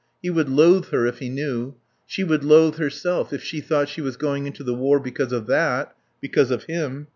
He would loathe her if he knew. She would loathe herself if she thought she was going into the war because of that, because of him.